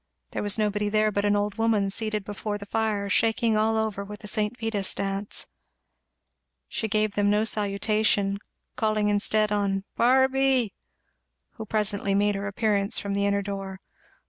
There was nobody there but an old woman seated before the fire shaking all over with the St. Vitus's Dance. She gave them no salutation, calling instead on "Barby!" who presently made her appearance from the inner door.